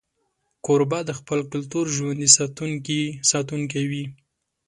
کوربه د خپل کلتور ژوندي ساتونکی وي.